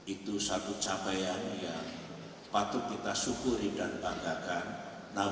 itu satu capaian yang patut kita syukuri dan banggakan